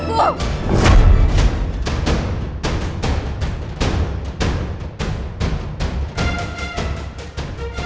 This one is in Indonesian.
aku akan menangkapmu